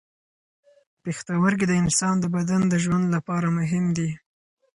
پښتورګي د انسان د بدن د ژوند لپاره مهم دي.